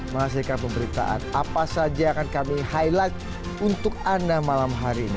masihkan pemberitaan apa saja yang akan kami highlight untuk anda malam hari ini